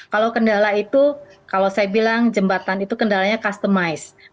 kalau kendala itu kalau saya bilang jembatan itu kendalanya customize